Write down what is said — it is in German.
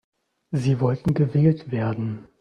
Sie wollten gewählt werden.